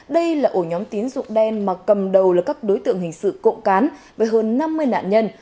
đây là ổ nhóm tín dụng đen mà cầm đầu là các đối tượng hình sự cộng cán với hơn năm mươi nạn nhân